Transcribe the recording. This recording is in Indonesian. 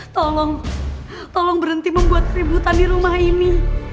tolong berhenti membuat keributan di rumah ini